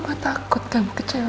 tapi cerita ini menggabungkan alison